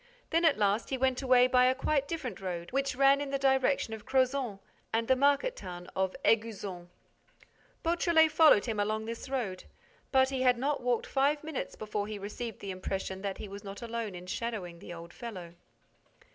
Then, at last, he went away by a quite different road, which ran in the direction of Crozant and the market town of Éguzon. Beautrelet followed him along this road. But he had not walked five minutes before he received the impression that he was not alone in shadowing the old fellow.